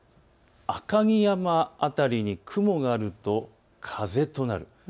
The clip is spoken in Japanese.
赤城山辺りに雲があると風となる。